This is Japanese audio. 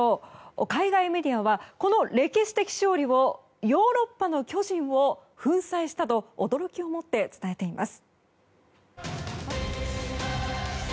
海外メディアはこの歴史的勝利をヨーロッパの巨人を粉砕したと驚きをもって伝えています。